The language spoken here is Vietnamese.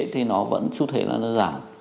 thì nó vẫn xu thế là đơn giản